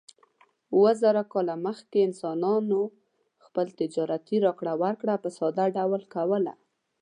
اووه زره کاله مخکې انسانانو خپل تجارتي راکړه ورکړه په ساده ډول کوله.